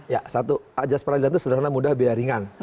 ya satu ajas peradilan itu sederhana mudah biaya ringan